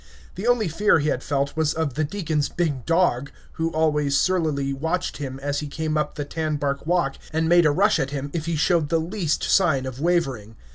The only fear he had felt was of the deacon's big dog, who always surlily watched him as he came up the tan bark walk, and made a rush at him if he showed the least sign of wavering.